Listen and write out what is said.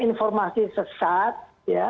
informasi sesat ya